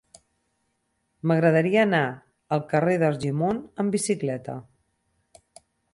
M'agradaria anar al carrer d'Argimon amb bicicleta.